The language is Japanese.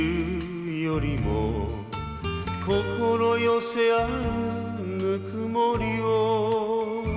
「心寄せ合うぬくもりを」